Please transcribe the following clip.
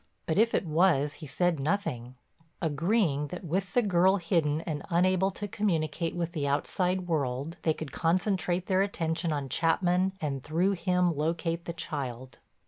But if it was he said nothing, agreeing that with the girl hidden and unable to communicate with the outside world, they could concentrate their attention on Chapman and through him locate the child.